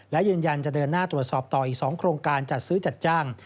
และยืนยันจะเดินหน้าตรวจสอบต่ออีก๒โครงการจัดซื้อจัดจ้าง